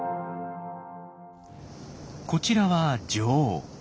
こちらは女王。